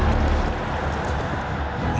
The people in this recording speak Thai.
เมื่อคุณล้มเหลวไม่ใช่คุณคนเดียวที่ผิดหวัง